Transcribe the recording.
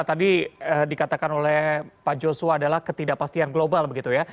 tadi dikatakan oleh pak joshua adalah ketidakpastian global begitu ya